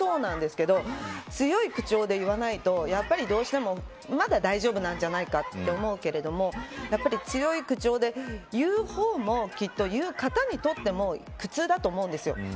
子どももそうなんですけど強い口調で言わないとどうしても、まだ大丈夫なんじゃないかと思うけれどやっぱり強い口調で言う方も言う方にとっても苦痛だと思うんです。